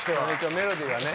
メロディーはね。